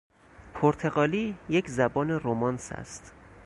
پرتغالی یک زبان رومانس است.